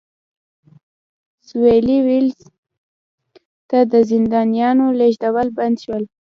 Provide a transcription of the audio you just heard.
سوېلي ویلز ته د زندانیانو لېږدول بند شول.